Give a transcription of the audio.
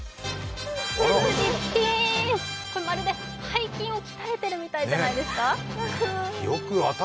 背筋ピーン、まるで背筋を鍛えてるみたいじゃないですか？